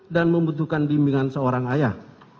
dan membutuhkan bimbingan seorang ayah